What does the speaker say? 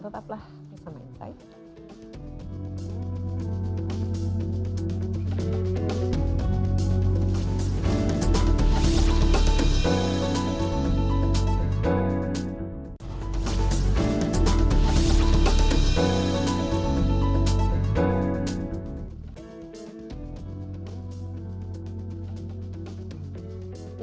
tetaplah bersama insight